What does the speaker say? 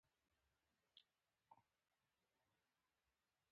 هېواد د راتلونکي زیربنا ده.